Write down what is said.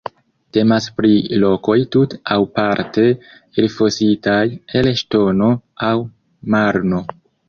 Temas pri lokoj tute aŭ parte elfositaj el ŝtono aŭ marno.